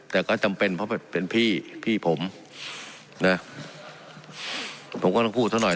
แต่ก็จำเป็นเพราะเป็นพี่พี่ผมนะผมก็ต้องพูดซะหน่อย